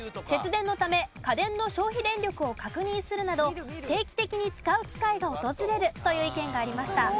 節電のため家電の消費電力を確認するなど定期的に使う機会が訪れるという意見がありました。